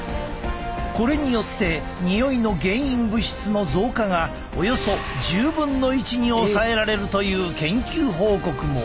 これによってにおいの原因物質の増加がおよそ１０分の１に抑えられるという研究報告も。